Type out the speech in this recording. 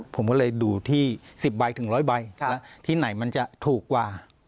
ผมก็เลยดูที่๑๐ใบถึง๑๐๐ใบแล้วที่ไหนมันจะถูกกว่า